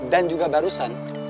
dan juga barusan